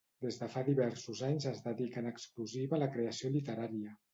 Des de fa diversos anys es dedica en exclusiva a la creació literària.